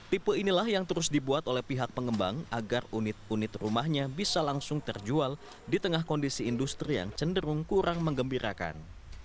tipe inilah yang terus dibuat oleh pihak pengembang agar unit unit rumahnya bisa langsung terjual di tengah kondisi industri yang cenderung kurang mengembirakan